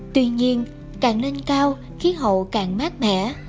tuy nhiên càng lên cao khí hậu càng mát mẻ